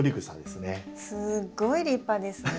すごい立派ですね。